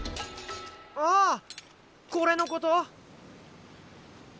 ああこれのこと？